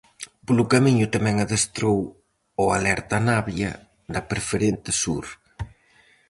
Polo camiño tamén adestrou ao alertanavia da Preferente sur.